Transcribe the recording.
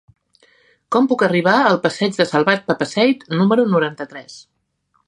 Com puc arribar al passeig de Salvat Papasseit número noranta-tres?